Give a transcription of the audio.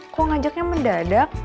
kok ngajaknya mendadak